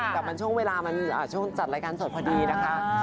แต่มันช่วงเวลาจัดรายการสดพอดีนะคะ